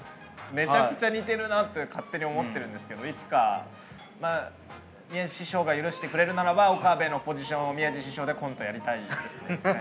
めちゃくちゃ似てるなと勝手に思ってるんですけど、いつか宮治師匠が許してくれるならば、岡部のポジションを宮治師匠でコントやりたいですね。